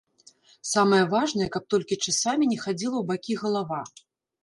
Самае важнае, каб толькі часамі не хадзіла ў бакі галава.